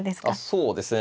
そうですね。